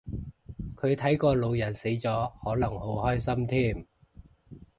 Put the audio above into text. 佢睇個老人死咗可能好開心添